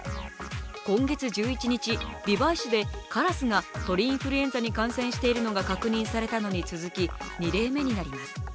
今月１１日、美唄市でカラスが鳥インフルエンザに感染しているのが確認されたのに続き２例目になります。